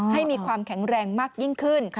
ให้มีความแข็งแรงมากยิ่งขึ้น